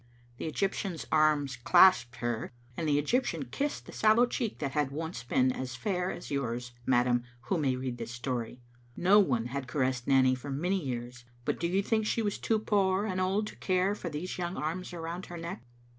The Egyptian's arms clasped her, and the Egyptian kissed a sallow cheek that had once been as fair as yours, madam, who may read this story. No one had caressed Nanny for many years, but do you think she was too poor and old to care for these young arms around her neck?